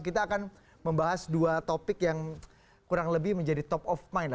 kita akan membahas dua topik yang kurang lebih menjadi top of mind